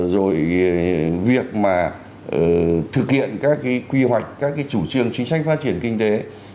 rồi việc mà thực hiện các cái quy hoạch các cái chủ trương chính sách phát triển kinh tế